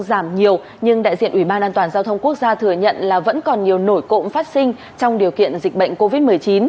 giảm nhiều nhưng đại diện ủy ban an toàn giao thông quốc gia thừa nhận là vẫn còn nhiều nổi cộng phát sinh trong điều kiện dịch bệnh covid một mươi chín